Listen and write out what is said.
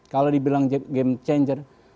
kalau dibilang game changer